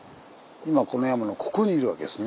今この山のここにいるわけですね。